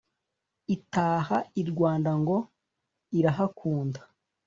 itaha i rwanda ngo irahakunda